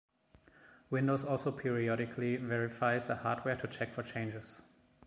Windows also periodically verifies the hardware to check for changes.